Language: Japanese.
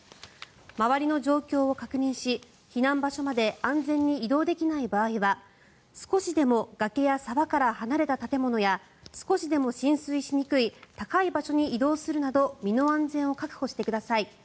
周りの状況を確認し避難場所まで安全に移動できない場合は少しでも崖や沢から離れた建物や少しでも浸水しにくい高い場所に移動するなど身の安全を確保してください。